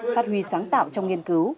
phát huy sáng tạo trong nghiên cứu